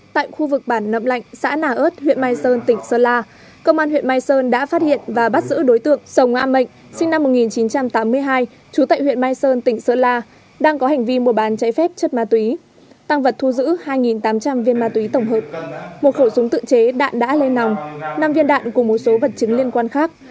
tại khu vực bản nậm lạnh xã nà ơt huyện mai sơn tỉnh sơn la công an huyện mai sơn đã phát hiện và bắt giữ đối tượng sầu ngoa mệnh sinh năm một nghìn chín trăm tám mươi hai trú tại huyện mai sơn tỉnh sơn la đang có hành vi mua bán chạy phép chất ma túy tàng vật thu giữ hai tám trăm linh viên ma túy tổng hợp một khẩu súng tự chế đạn đã lên nòng năm viên đạn cùng một số vật chứng liên quan khác